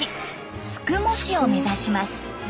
宿毛市を目指します。